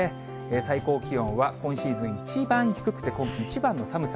最高気温は今シーズン１番低くて、今季一番の寒さ。